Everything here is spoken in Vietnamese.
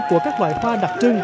của các loại hoa đặc trưng